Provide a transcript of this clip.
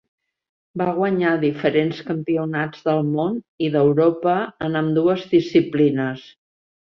Va guanyar diferents campionats del món i d'Europa en ambdues disciplines.